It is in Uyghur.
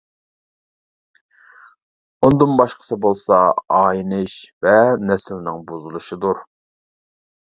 ئۇندىن باشقىسى بولسا ئاينىش ۋە نەسلىنىڭ بۇزۇلۇشىدۇر!